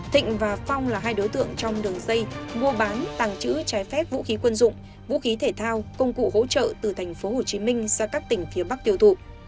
thịnh và phong là hai đối tượng trong đường dây mua bán tàng trữ trái phép vũ khí quân dụng vũ khí thể thao công cụ hỗ trợ từ tp hcm ra các tỉnh phía bắc tiêu thụ